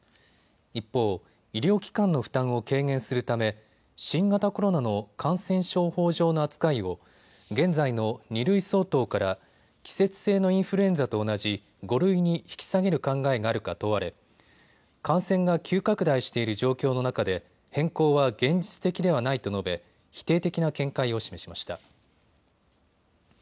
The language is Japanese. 一方、医療機関の負担を軽減するため新型コロナの感染症法上の扱いを現在の二類相当から季節性のインフルエンザと同じ五類に引き下げる考えがあるか問われ感染が急拡大している状況の中で変更は現実的ではないと述べ否定的な見解を示しました。